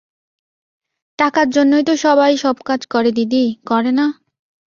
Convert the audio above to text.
টাকার জন্যই তো সবাই সব কাজ করে দিদি, করে না?